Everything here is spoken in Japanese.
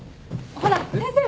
ほら先生も。